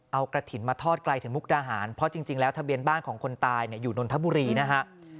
เอากระถิ่นมาทอดไกลถึงมุกดาหารเพราะจริงแล้วทะเบียนบ้านของคนตายอยู่นนทบุรีนะฮะ